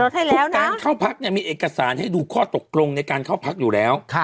ทุกการเข้าพักมีเอกสารให้ดูข้อตกลงในการเข้าพักอยู่แล้ว